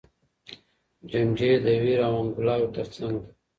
جنډې د ویر او انګولاوو تر څنګ دي.